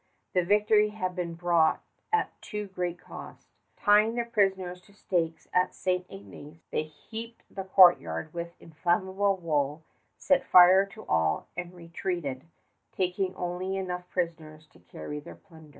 The victory had been bought at too great cost. Tying their prisoners to stakes at St. Ignace, they heaped the courtyard with inflammable wood, set fire to all, and retreated, taking only enough prisoners to carry their plunder.